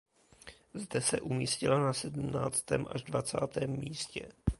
Zde se umístila na sedmnáctém až dvacátém místě.